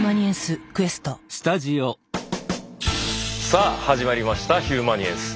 さあ始まりました「ヒューマニエンス」。